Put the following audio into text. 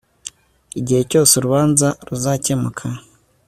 igihe cyose urubanza ruzakemuka